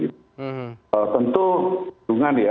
tentu bendungan ya